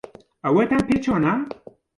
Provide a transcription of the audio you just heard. ئەوەتان پێ چۆنە؟